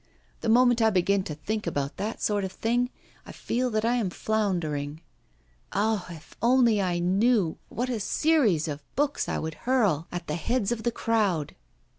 The moment I begin to think about that sort of thing I feel that I am floundering. Ah, if I only knew, what a series of books I would hurl at the heads of the crowd!